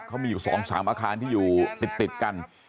เขามีอยู่๒๓อาคารที่อยู่ติดกัน